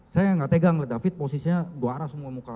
saya gak tegang lah david posisinya dua arah semua muka